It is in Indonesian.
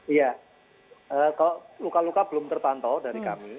iya luka luka belum tertantau dari kami